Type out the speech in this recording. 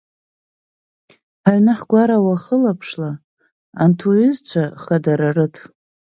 Ҳаҩны-ҳгәара уахылаԥшла, анҭ уҩызцәа хадара рыҭ!